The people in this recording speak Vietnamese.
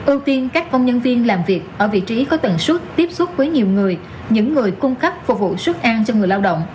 ưu tiên các công nhân viên làm việc ở vị trí có tần suất tiếp xúc với nhiều người những người cung cấp phục vụ sức an cho người lao động